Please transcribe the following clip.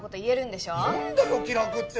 なんだよ気楽って！